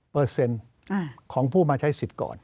เปอร์เซ็นต์ของผู้มาใช้สิทธิ์ก่อน